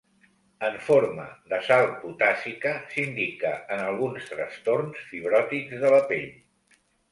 En forma de sal potàssica, s'indica en alguns trastorns fibròtics de la pell.